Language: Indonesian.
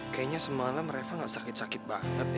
kayaknya semalam reva gak sakit sakit banget deh